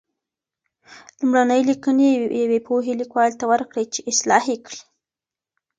لومړني لیکنې یوې پوهې لیکوال ته ورکړئ چې اصلاح یې کړي.